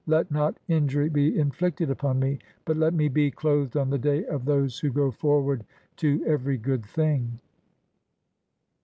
Let not injury "be inflicted upon me, [but let me be] clothed on the day of "those who go forward (?) (10) to every [good] thing."